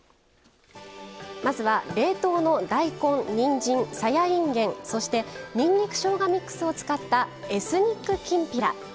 まずは冷凍の大根、にんじんさやいんげんそしてにんにくしょうがミックスを使ったエスニックきんぴら。